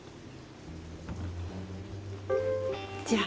じゃあ。